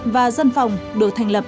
và dân phòng được thành lập